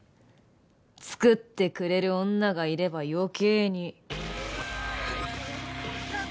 作ってくれる女がいれば余計に！